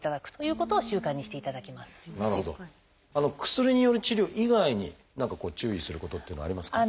薬による治療以外に何かこう注意することっていうのはありますか？